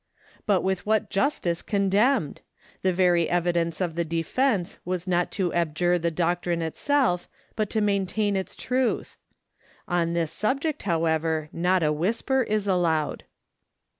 But with what justice condemned? The very evidence of the defense was not to abjure the doctrine itself, but to maintain its truth. On this subject, however, not a whisper is allowed....